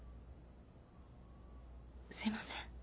すいません。